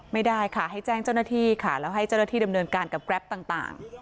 ไม่ได้ค่ะให้แจ้งเจ้าหน้าที่ค่ะแล้วให้เจ้าหน้าที่ดำเนินการกับแกรปต่าง